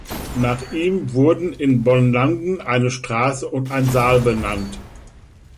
Nach ihm wurden in Bonlanden eine Straße und ein Saal benannt.